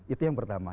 itu yang pertama